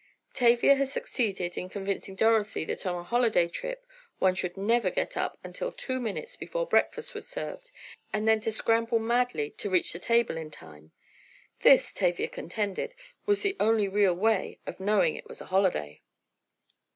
Tavia had succeeded in convincing Dorothy that on a holiday trip, one should never get up until two minutes before breakfast was served, and then to scramble madly to reach the table in time. This, Tavia, contended, was the only real way of knowing it was a holiday.